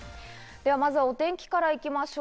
ではまずは、お天気から行きましょう。